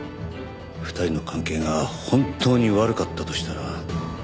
２人の関係が本当に悪かったとしたら。